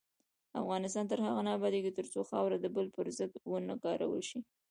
افغانستان تر هغو نه ابادیږي، ترڅو خاوره د بل پر ضد ونه کارول شي.